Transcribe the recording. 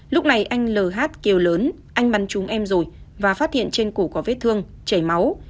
lúc này anh lh kêu lớn anh bắn chúng em rồi và phát hiện trên cổ có vết thương chảy máu